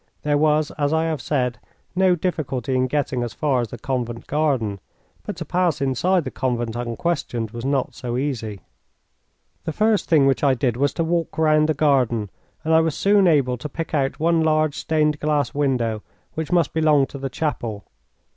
There was, as I have said, no difficulty in getting as far as the convent garden, but to pass inside the convent unquestioned was not so easy. The first thing which I did was to walk round the garden, and I was soon able to pick out one large stained glass window which must belong to the chapel.